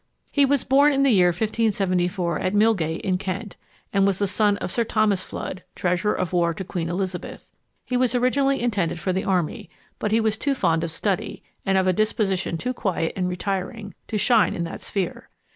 He was born in the year 1574 at Milgate, in Kent, and was the son of Sir Thomas Fludd, Treasurer of War to Queen Elizabeth. He was originally intended for the army; but he was too fond of study, and of a disposition too quiet and retiring, to shine in that sphere.